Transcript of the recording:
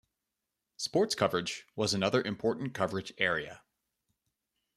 Sports coverage was another important coverage area.